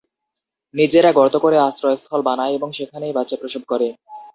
নিজেরা গর্ত করে আশ্রয়স্থল বানায় এবং সেখানেই বাচ্চা প্রসব করে।